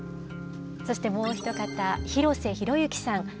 そしてもう一方広瀬宏之さん。